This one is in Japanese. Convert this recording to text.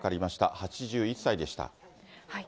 ８１歳でした。